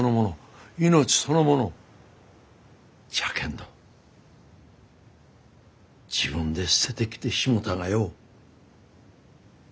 じゃけんど自分で捨ててきてしもうたがよ。